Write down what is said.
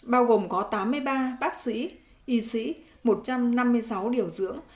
bao gồm có tám mươi ba bác sĩ y sĩ một trăm năm mươi sáu điều dưỡng